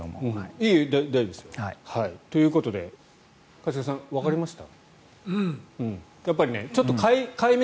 いえいえ大丈夫ですよ。ということで一茂さんわかりました？